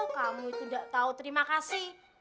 kamu itu gak tahu terima kasih